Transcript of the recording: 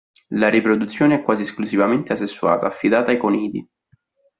La riproduzione è quasi esclusivamente asessuata, affidata ai conidi.